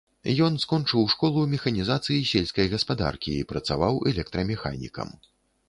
Ён скончыў школу механізацыі сельскай гаспадаркі і працаваў электрамеханікам.